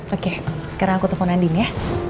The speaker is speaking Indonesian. oke sekarang aku telpon andien ya